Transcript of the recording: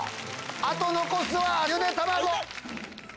あと残すはゆでたまご。